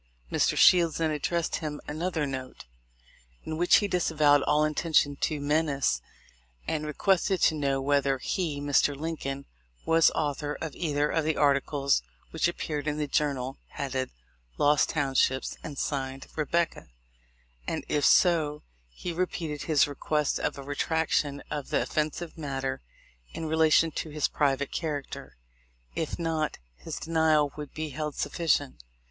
Mr. Shields then addressed him another THE LIFE OF LINCOLX. 245 note, in which he disavowed all intention to men ace, and requested to know whether he (Mr. Lin coln) was author of either of the articles which appeared in the Journal, headed 'Lost Townships,' and signed 'Rebecca'; and, if so, he repeated his request of a retraction of the offensive matter in relation to his private character; if not, his denial would be held sufficient.